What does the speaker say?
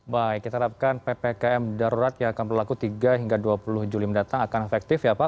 baik kita harapkan ppkm darurat yang akan berlaku tiga hingga dua puluh juli mendatang akan efektif ya pak